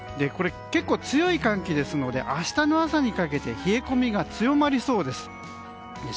結構、強い寒気ですので明日の朝にかけて冷え込みが強まりそうです。